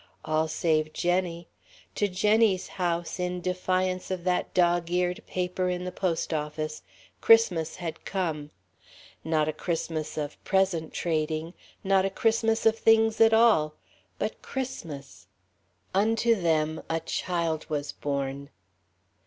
All save Jenny. To Jenny's house, in defiance of that dog eared paper in the post office, Christmas had come. Not a Christmas of "present trading," not a Christmas of things at all; but Christmas. Unto them a child was born.